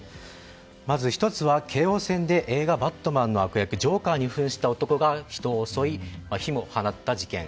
まず１つは京王線で映画「バットマン」の悪役ジョーカーに扮した男が人を襲い火も放った事件。